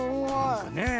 なんかねえ。